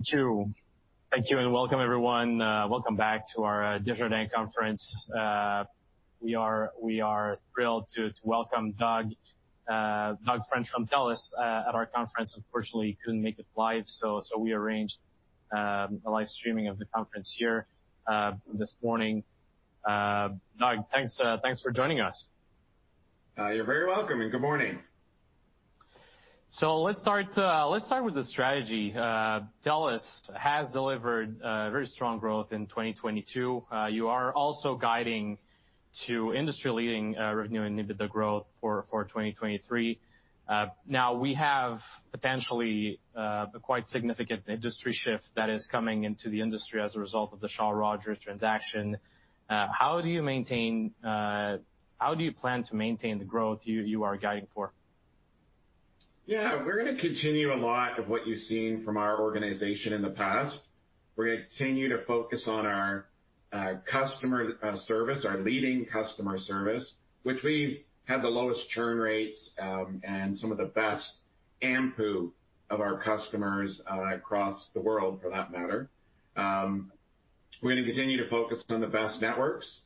Thank you. Thank you, welcome, everyone. Welcome back to our Desjardins conference. We are thrilled to welcome Doug French from TELUS at our conference. Unfortunately, he couldn't make it live, so we arranged a live streaming of the conference here this morning. Doug, thanks for joining us. You're very welcome, and good morning. Let's start with the strategy. TELUS has delivered very strong growth in 2022. You are also guiding to industry-leading revenue and EBITDA growth for 2023. Now we have potentially a quite significant industry shift that is coming into the industry as a result of the Shaw Rogers transaction. How do you plan to maintain the growth you are guiding for? Yeah, we're going to continue a lot of what you've seen from our organization in the past. We're going to continue to focus on our customer service, our leading customer service, which we have the lowest churn rates and some of the best ARPU of our customers across the world for that matter. We're going to continue to focus on the best networks.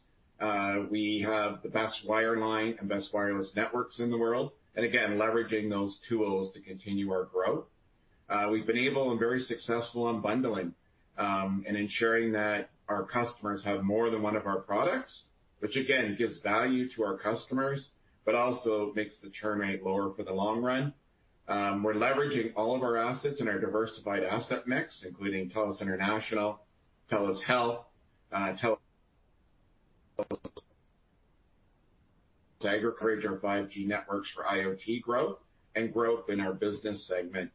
We have the best wireline and best wireless networks in the world, and again, leveraging those tools to continue our growth. We've been able and very successful in bundling and ensuring that our customers have more than one of our products, which again, gives value to our customers, but also makes the churn rate lower for the long run. We're leveraging all of our assets in our diversified asset mix, including TELUS International, TELUS Health, TELUS to aggregate our 5G networks for IoT growth and growth in our business segment.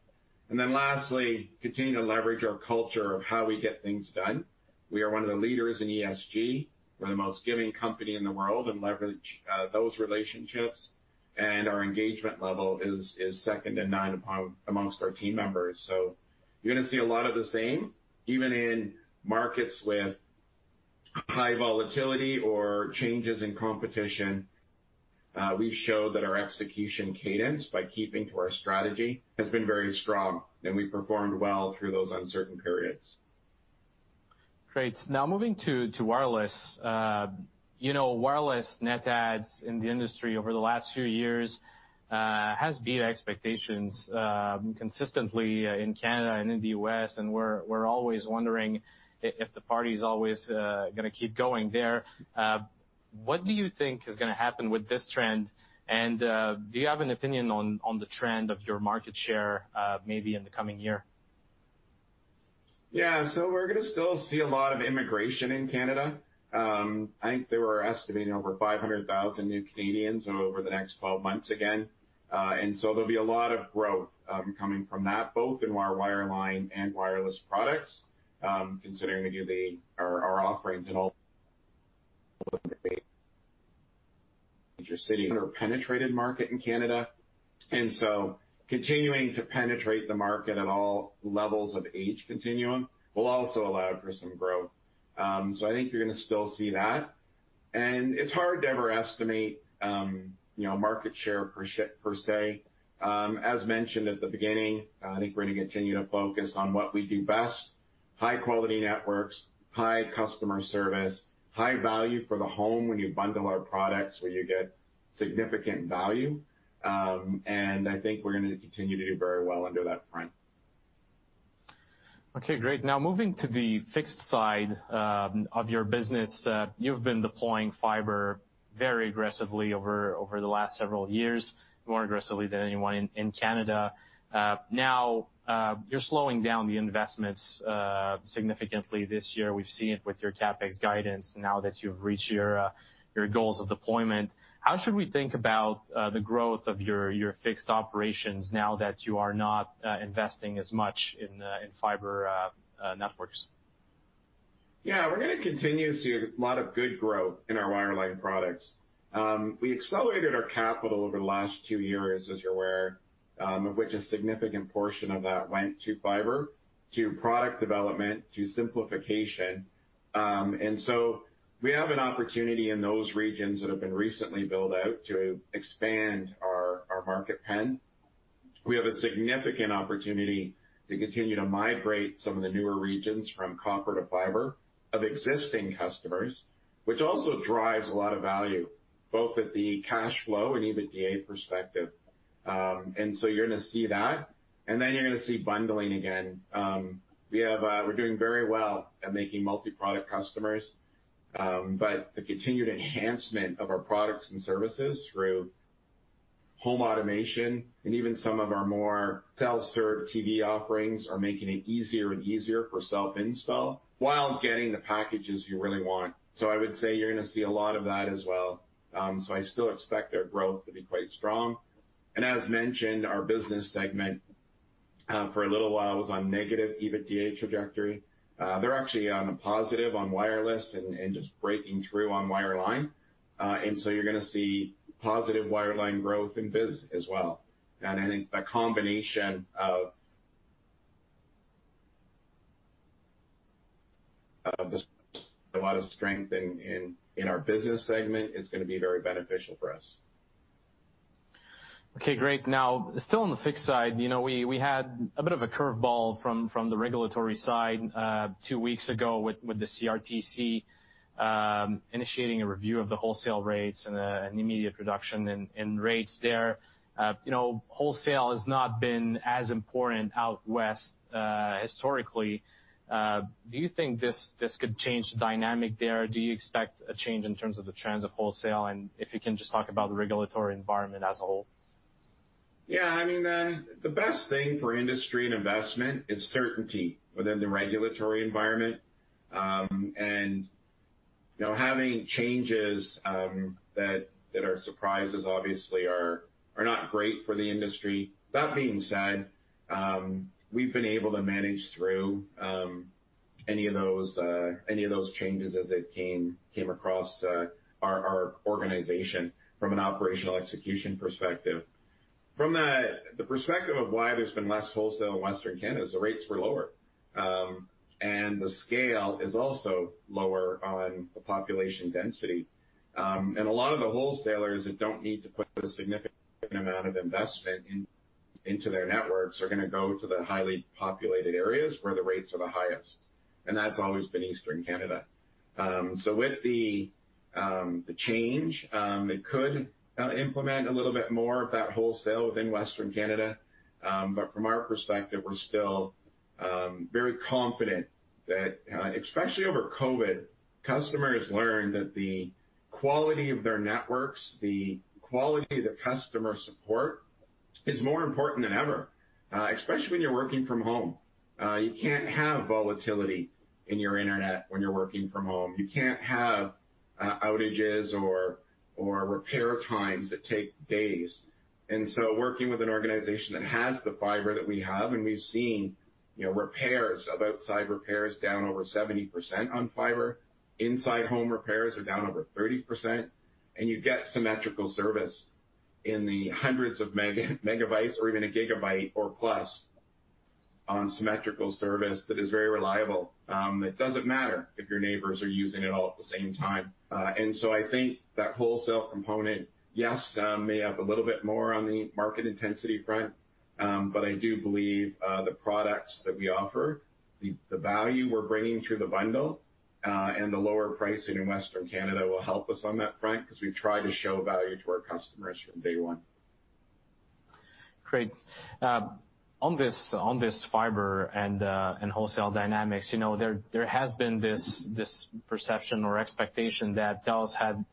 Lastly, continue to leverage our culture of how we get things done. We are one of the leaders in ESG. We're the most giving company in the world and leverage those relationships, and our engagement level is second to none amongst our team members. You're going to see a lot of the same. Even in markets with high volatility or changes in competition, we've showed that our execution cadence by keeping to our strategy has been very strong, and we performed well through those uncertain periods. Great. Now moving to wireless. you know, wireless net adds in the industry over the last few years has beat expectations consistently in Canada and in the US, and we're always wondering if the party's always going to keep going there. What do you think is going to happen with this trend? Do you have an opinion on the trend of your market share maybe in the coming year? Yeah. We're going to still see a lot of immigration in Canada. I think they were estimating over 500,000 new Canadians over the next 12 months again. There'll be a lot of growth coming from that, both in our wireline and wireless products, considering again our offerings in all penetrated market in Canada. Continuing to penetrate the market at all levels of age continuum will also allow for some growth. I think you're going to still see that. It's hard to ever estimate, you know, market share per se. As mentioned at the beginning, I think we're going to continue to focus on what we do best, high quality networks, high customer service, high value for the home when you bundle our products, where you get significant value. I think we're going to continue to do very well under that front. Okay, great. Now moving to the fixed side of your business. You've been deploying fiber very aggressively over the last several years, more aggressively than anyone in Canada. Now, you're slowing down the investments significantly this year. We've seen it with your CapEx guidance now that you've reached your goals of deployment. How should we think about the growth of your fixed operations now that you are not investing as much in fiber networks? Yeah, we're going to continue to see a lot of good growth in our wireline products. We accelerated our capital over the last two years, as you're are, of which a significant portion of that went to fiber, to product development, to simplification. We have an opportunity in those regions that have been recently built out to expand our market pen. We have a significant opportunity to continue to migrate some of the newer regions from copper to fiber of existing customers, which also drives a lot of value, both at the cash flow and EBITDA perspective. You're going to see that, and then you're going to see bundling again. We have... We're doing very well at making multi-product customers, the continued enhancement of our products and services through home automation and even some of our more Optik TV offerings are making it easier and easier for self-install while getting the packages you really want. I would say you're going to see a lot of that as well. I still expect our growth to be quite strong. As mentioned, our business segment for a little while was on negative EBITDA trajectory. They're actually on a positive on wireless and just breaking through on wireline. You're going to see positive wireline growth in biz as well. I think the combination of the a lot of strength in our business segment is going to be very beneficial for us. Okay, great. Still on the fixed side, you know, we had a bit of a curve ball from the regulatory side two weeks ago with the CRTC initiating a review of the wholesale rates and an immediate reduction in rates there. You know, wholesale has not been as important out west, historically. Do you think this could change the dynamic there? Do you expect a change in terms of the trends of wholesale? If you can just talk about the regulatory environment as a whole. Yeah, I mean, the best thing for industry and investment is certainty within the regulatory environment. You know, having changes that are surprises obviously are not great for the industry. That being said, we've been able to manage through any of those changes as it came across our organization from an operational execution perspective. From the perspective of why there's been less wholesale in Western Canada is the rates were lower. The scale is also lower on the population density. A lot of the wholesalers that don't need to put a significant amount of investment into their networks are going to go to the highly populated areas where the rates are the highest, and that's always been Eastern Canada. With the change, it could implement a little bit more of that wholesale within Western Canada. From our perspective, we're still very confident that especially over COVID, customers learned that the quality of their networks, the quality of the customer support is more important than ever, especially when you're working from home. You can't have volatility in your internet when you're working from home. You can't have outages or repair times that take days. Working with an organization that has the fiber that we have, and we've seen, you know, repairs, of outside repairs down over 70% on fiber. Inside home repairs are down over 30%, and you get symmetrical service in the hundreds of megabytes or even a gigabyte or plus on symmetrical service that is very reliable. It doesn't matter if your neighbors are using it all at the same time. I think that wholesale component, yes, may have a little bit more on the market intensity front, but I do believe the products that we offer, the value we're bringing through the bundle, and the lower pricing in Western Canada will help us on that front because we've tried to show value to our customers from day one. Great. On this fiber and wholesale dynamics, you know, there has been this perception or expectation that TELUS had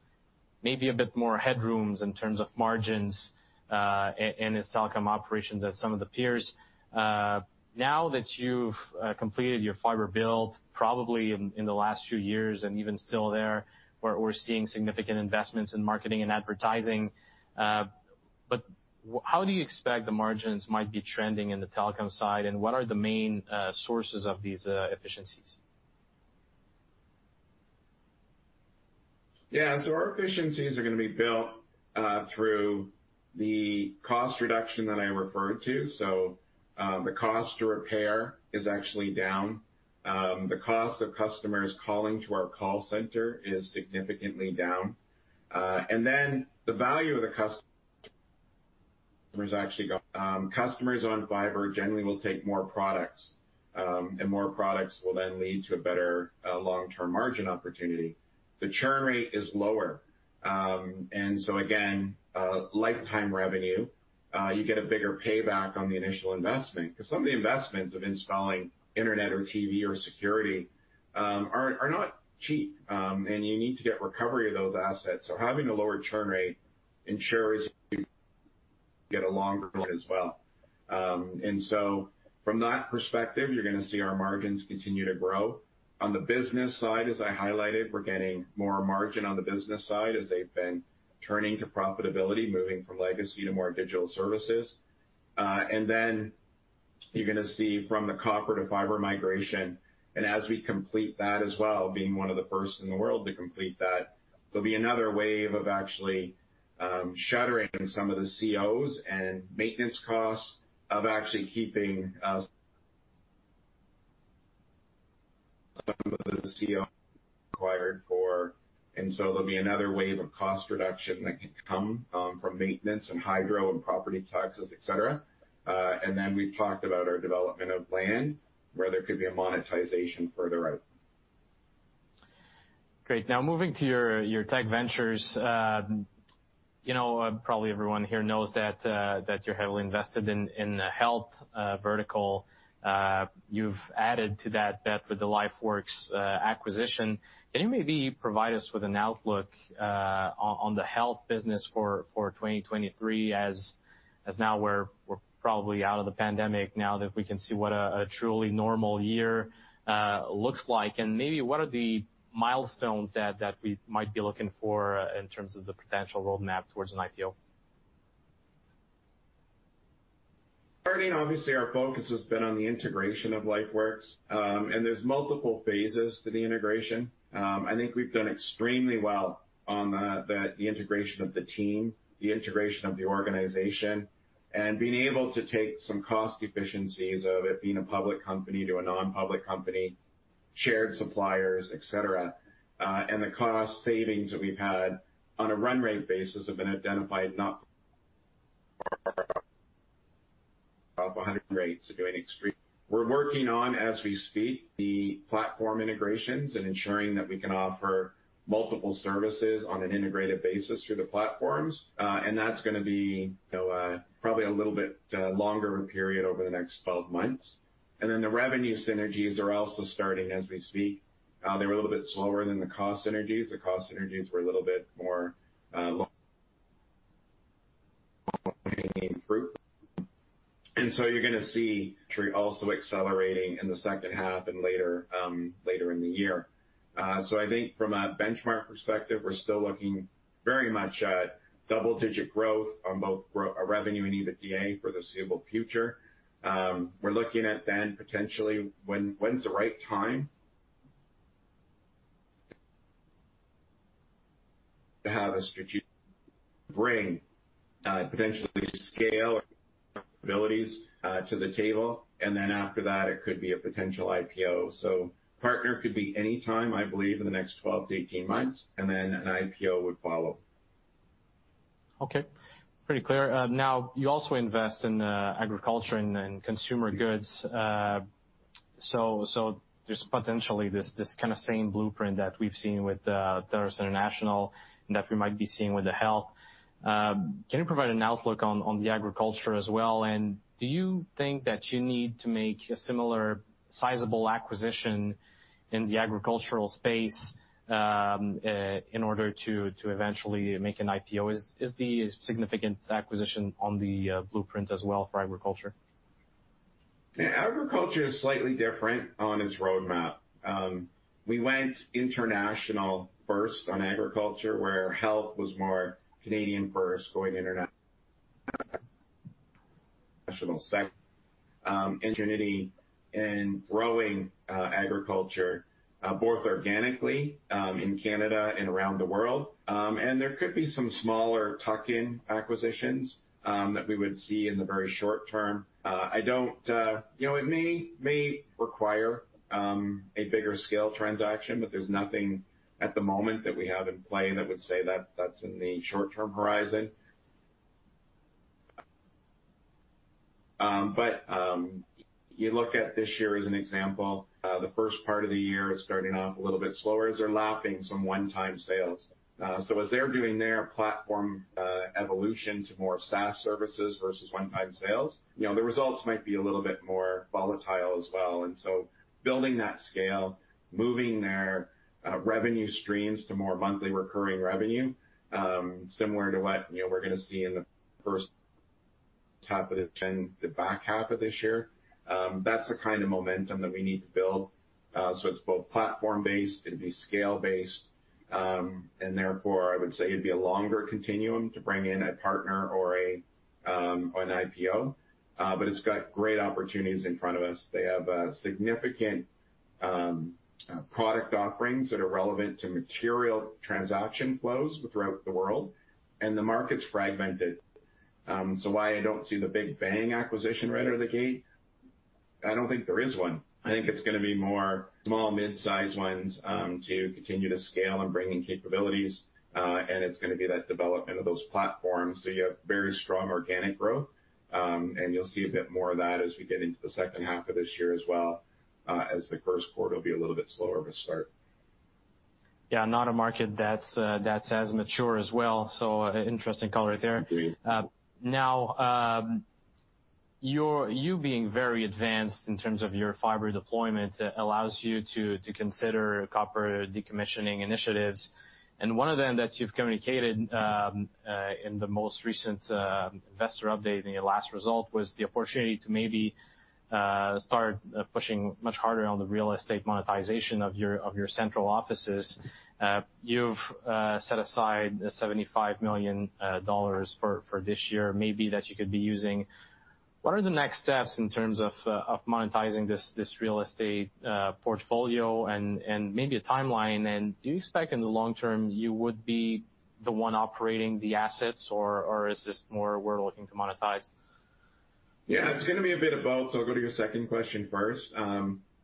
maybe a bit more headrooms in terms of margins, in its telecom operations as some of the peers. Now that you've completed your fiber build probably in the last few years and even still there, we're seeing significant investments in marketing and advertising. How do you expect the margins might be trending in the telecom side, and what are the main sources of these efficiencies? Yeah. Our efficiencies are going to be built through the cost reduction that I referred to. The cost to repair is actually down. The cost of customers calling to our call center is significantly down. Then the value of the customer is actually go. Customers on fiber generally will take more products, and more products will then lead to a better long-term margin opportunity. The churn rate is lower. Again, lifetime revenue, you get a bigger payback on the initial investment because some of the investments of installing internet or TV or security are not cheap. You need to get recovery of those assets. Having a lower churn rate ensures you get a longer run as well. From that perspective, you're going to see our margins continue to grow. On the business side, as I highlighted, we're getting more margin on the business side as they've been turning to profitability, moving from legacy to more digital services. You're going to see from the copper to fiber migration, and as we complete that as well, being one of the first in the world to complete that, there'll be another wave of actually, shuttering some of the COs and maintenance costs of actually keeping us. Some of the CO required for. There'll be another wave of cost reduction that can come, from maintenance and hydro and property taxes, et cetera. We've talked about our development of land, where there could be a monetization further out. Great. Now moving to your tech ventures. You know, probably everyone here knows that you're heavily invested in the health vertical. You've added to that bet with the LifeWorks acquisition. Can you maybe provide us with an outlook on the health business for 2023 as now we're probably out of the pandemic now that we can see what a truly normal year looks like, and maybe what are the milestones that we might be looking for in terms of the potential roadmap towards an IPO? Certainly, obviously, our focus has been on the integration of LifeWorks. There's multiple phases to the integration. I think we've done extremely well on the integration of the team, the integration of the organization, and being able to take some cost efficiencies of it being a public company to a non-public company. Shared suppliers, et cetera. The cost savings that we've had on a run rate basis have been identified not of 100%. We're working on, as we speak, the platform integrations and ensuring that we can offer multiple services on an integrated basis through the platforms. That's going to be, you know, probably a little bit longer in period over the next 12 months. The revenue synergies are also starting as we speak. They're a little bit slower than the cost synergies. The cost synergies were a little bit more. You're going to see actually also accelerating in the H2 and later in the year. I think from a benchmark perspective, we're still looking very much at double-digit growth on both revenue and EBITDA for the foreseeable future. We're looking at then potentially when's the right time to have a strategic bring, potentially scale abilities, to the table, and then after that it could be a potential IPO. Partner could be any time, I believe, in the next 12 to 18 months, and then an IPO would follow. Okay. Pretty clear. Now, you also invest in agriculture and consumer goods. There's potentially this kinda same blueprint that we've seen with TELUS International and that we might be seeing with TELUS Health. Can you provide an outlook on the agriculture as well? Do you think that you need to make a similar sizable acquisition in the agricultural space in order to eventually make an IPO? Is the significant acquisition on the blueprint as well for agriculture? Yeah. Agriculture is slightly different on its roadmap. We went international first on Agriculture, where Health was more Canadian first, going international second. ingenuity in growing Agriculture, both organically in Canada and around the world. There could be some smaller tuck-in acquisitions that we would see in the very short term. I don't, you know, it may require a bigger scale transaction, but there's nothing at the moment that we have in play that would say that that's in the short term horizon. You look at this year as an example. The first part of the year is starting off a little bit slower as they're lapping some one-time sales. As they're doing their platform evolution to more SaaS services versus one-time sales, you know, the results might be a little bit more volatile as well. Building that scale, moving their revenue streams to more monthly recurring revenue, similar to what, you know, we're going to see in the first top of the ten, the back half of this year. That's the kinda momentum that we need to build. It's both platform-based, it'd be scale-based, and therefore, I would say it'd be a longer continuum to bring in a partner or an IPO. It's got great opportunities in front of us. They have significant product offerings that are relevant to material transaction flows throughout the world, and the market's fragmented. Why I don't see the big bang acquisition right out of the gate, I don't think there is one. I think it's going to be more small, mid-size ones to continue to scale and bring in capabilities. It's going to be that development of those platforms. You have very strong organic growth, you'll see a bit more of that as we get into the H2 of this year as well, as the Q1 will be a little bit slower of a start. Yeah, not a market that's as mature as well. Interesting color there. Agreed. Now, you being very advanced in terms of your fiber deployment allows you to consider copper decommissioning initiatives. One of them that you've communicated in the most recent investor update and your last result was the opportunity to maybe start pushing much harder on the real estate monetization of your central offices. You've set aside 75 million dollars for this year, maybe that you could be using. What are the next steps in terms of monetizing this real estate portfolio and maybe a timeline? Do you expect in the long term you would be the one operating the assets or is this more we're looking to monetize? It's going to be a bit of both, I'll go to your second question first.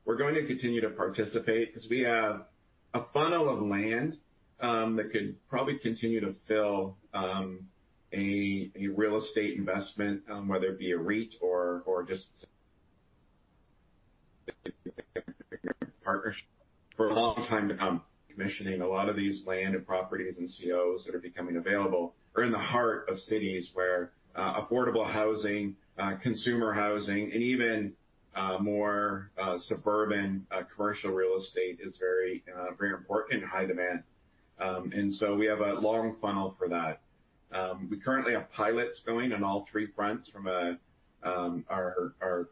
We're going to continue to participate because we have a funnel of land that could probably continue to fill a real estate investment, whether it be a REIT or just partnership for a long time to come. Commissioning a lot of these land and properties and COs that are becoming available are in the heart of cities where affordable housing, consumer housing, and even more suburban commercial real estate is very important and high demand. We have a long funnel for that. We currently have pilots going on all three fronts from our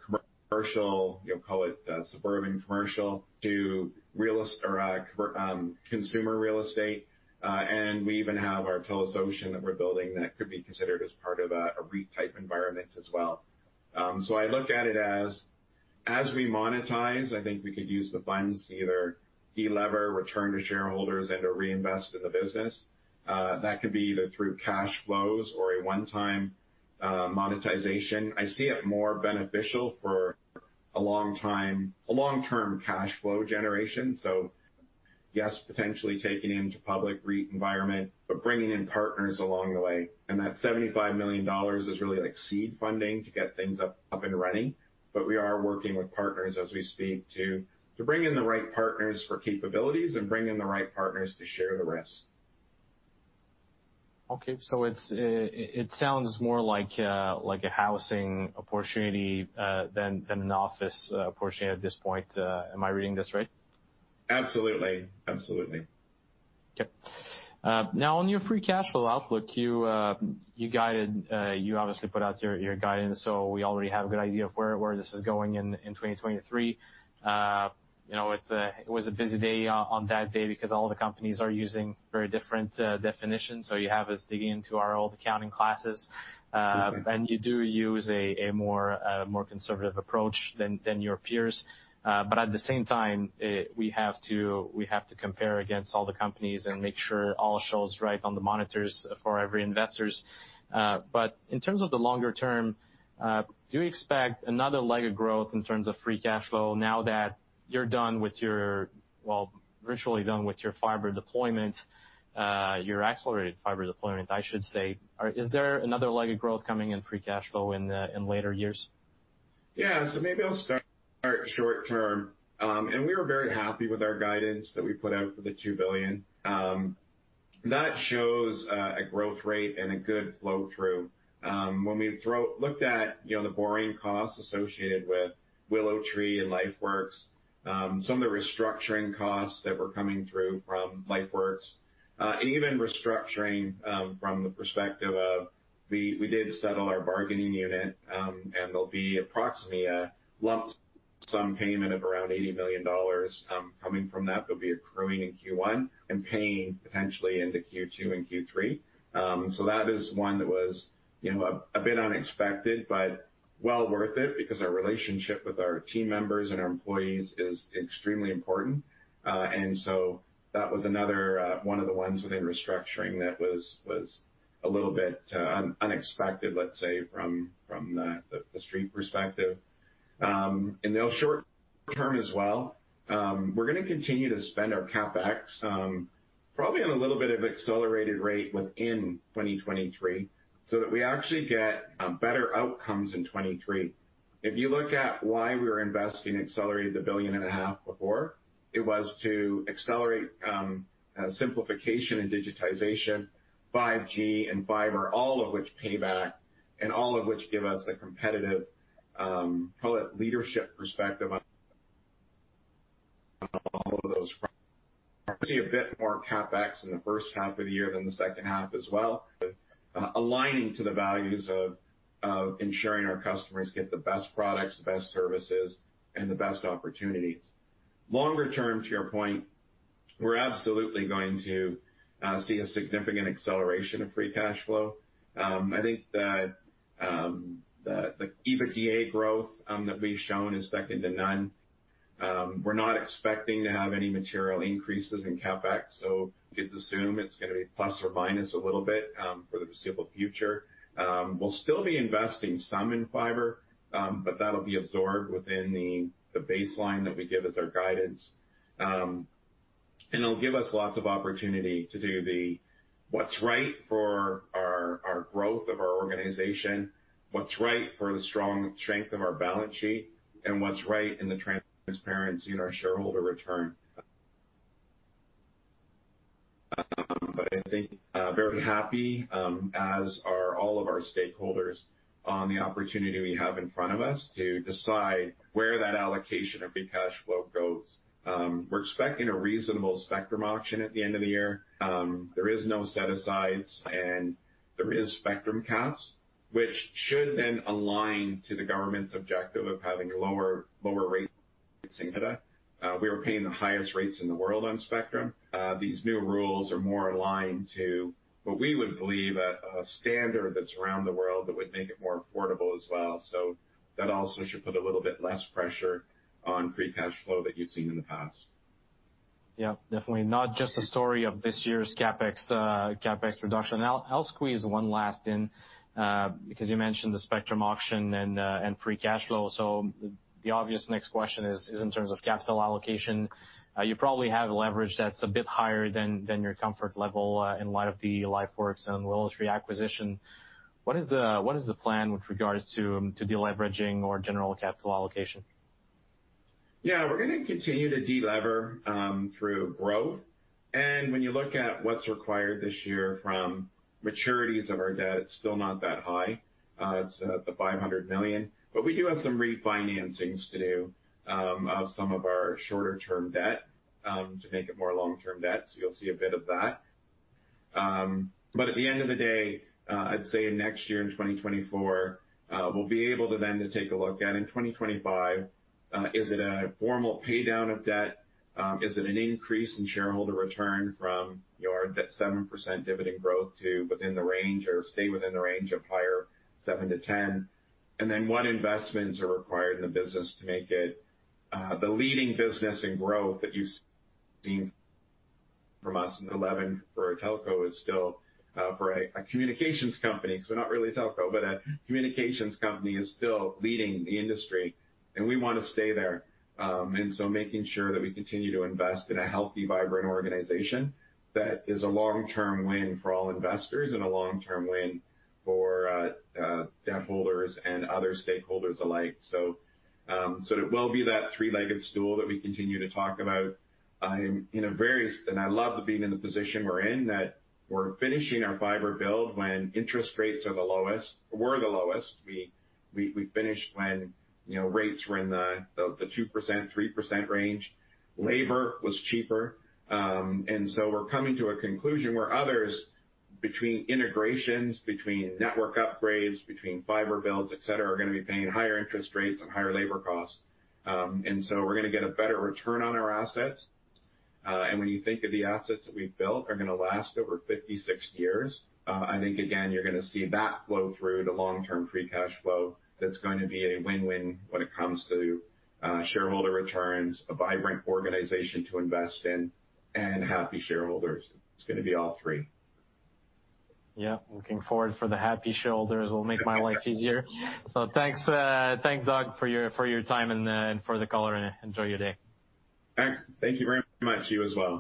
commercial, you know, call it suburban commercial to consumer real estate. We even have our TELUS Ocean that we're building that could be considered as part of a REIT type environment as well. I look at it as we monetize, I think we could use the funds to either de-lever, return to shareholders and to reinvest in the business. That could be either through cash flows or a one-time monetization. I see it more beneficial for a long-term cash flow generation. Yes, potentially taking into public REIT environment, but bringing in partners along the way. That 75 million dollars is really like seed funding to get things up and running. We are working with partners as we speak to bring in the right partners for capabilities and bring in the right partners to share the risk. Okay. It sounds more like a housing opportunity, than an office opportunity at this point. Am I reading this right? Absolutely. Absolutely. Okay. Now on your free cash flow outlook, you guided, you obviously put out your guidance, so we already have a good idea of where this is going in 2023. You know, it was a busy day, on that day because all the companies are using very different, definitions. You have us digging into our old accounting classes. You do use a more conservative approach than your peers. At the same time, we have to compare against all the companies and make sure all shows right on the monitors for every investors. In terms of the longer term, do you expect another leg of growth in terms of free cash flow now that you're virtually done with your fiber deployment, your accelerated fiber deployment, I should say? Is there another leg of growth coming in free cash flow in later years? Yeah. Maybe I'll start short term. We are very happy with our guidance that we put out for the CAD 2 billion. When we looked at, you know, the borrowing costs associated with WillowTree and LifeWorks, some of the restructuring costs that were coming through from LifeWorks, and even restructuring, from the perspective of we did settle our bargaining unit, and there'll be approximately a lump sum payment of around 80 million dollars coming from that. There'll be accruing in Q1 and paying potentially into Q2 and Q3. That is one that was, you know, a bit unexpected, but well worth it because our relationship with our team members and our employees is extremely important. That was another one of the ones within restructuring that was a little bit unexpected, let's say, from the street perspective. In the short term as well, we're going to continue to spend our CapEx probably on a little bit of accelerated rate within 2023 so that we actually get better outcomes in 2023. If you look at why we're investing and accelerated the billion and a half before, it was to accelerate simplification and digitization, 5G and fiber, all of which pay back and all of which give us a competitive, call it, leadership perspective on all of those. See a bit more CapEx in the H1 of the year than the H2 as well, aligning to the values of ensuring our customers get the best products, the best services, and the best opportunities. Longer term, to your point, we're absolutely going to see a significant acceleration of free cash flow. I think the EBITDA growth that we've shown is second to none. We're not expecting to have any material increases in CapEx, so you could assume it's going to be ± a little bit for the foreseeable future. We'll still be investing some in fiber, but that'll be absorbed within the baseline that we give as our guidance. It'll give us lots of opportunity to do the what's right for our growth of our organization, what's right for the strong strength of our balance sheet, and what's right in the transparency in our shareholder return. I think very happy, as are all of our stakeholders on the opportunity we have in front of us to decide where that allocation of free cash flow goes. We're expecting a reasonable spectrum auction at the end of the year. There is no set-asides and there is spectrum caps, which should then align to the government's objective of having lower rates in Canada. We were paying the highest rates in the world on spectrum. These new rules are more aligned to what we would believe a standard that's around the world that would make it more affordable as well. That also should put a little bit less pressure on free cash flow that you've seen in the past. Yeah, definitely not just a story of this year's CapEx reduction. I'll squeeze one last in because you mentioned the spectrum auction and free cash flow. The obvious next question is in terms of capital allocation. You probably have leverage that's a bit higher than your comfort level in light of the LifeWorks and WillowTree acquisition. What is the plan with regards to deleveraging or general capital allocation? Yeah, we're going to continue to de-lever through growth. When you look at what's required this year from maturities of our debt, it's still not that high. It's at the 500 million. We do have some refinancings to do of some of our shorter term debt to make it more long-term debt. You'll see a bit of that. But at the end of the day, I'd say next year in 2024, we'll be able to then to take a look at in 2025, is it a formal pay down of debt? Is it an increase in shareholder return from your 7% dividend growth to within the range or stay within the range of higher 7%-10%? What investments are required in the business to make it the leading business and growth that you've seen from us in 11 for a telco is still for a communications company, because we're not really a telco, but a communications company is still leading the industry, and we want to stay there. Making sure that we continue to invest in a healthy, vibrant organization that is a long-term win for all investors and a long-term win for debtholders and other stakeholders alike. So it will be that three-legged stool that we continue to talk about. I'm in. I love being in the position we're in, that we're finishing our fiber build when interest rates are the lowest. We're the lowest. We finished when, you know, rates were in the 2%, 3% range. Labor was cheaper. We're coming to a conclusion where others, between integrations, between network upgrades, between fiber builds, et cetera, are going to be paying higher interest rates and higher labor costs. We're going to get a better return on our assets. When you think of the assets that we've built are going to last over 50, 60 years, I think again, you're going to see that flow through to long-term free cash flow. That's going to be a win-win when it comes to shareholder returns, a vibrant organization to invest in and happy shareholders. It's going to be all three. Yeah. Looking forward for the happy shareholders will make my life easier. Thanks, Doug, for your time and for the color, and enjoy your day. Thanks. Thank you very much to you as well.